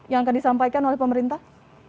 yang akan disampaikan oleh pemerintah